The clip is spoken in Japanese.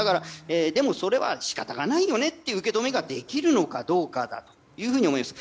でもそれは仕方がないよねっていう受け止めができるのかどうかだと思います。